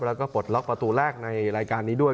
แล้วก็ปลดล็อกประตูแรกในรายการนี้ด้วย